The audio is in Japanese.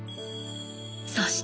そして